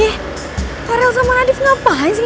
ih karel sama nadif ngapain sih ngikutin gue